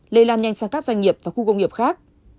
lây lan nhanh sang các doanh nghiệp và khu công nghiệp khác